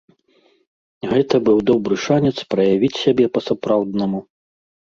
Гэта быў добры шанец праявіць сябе па-сапраўднаму.